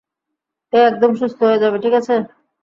ও একদম সুস্থ হয়ে যাবে, ঠিক আছে?